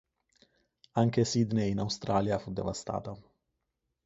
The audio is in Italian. Anche Sydney in Australia fu devastata.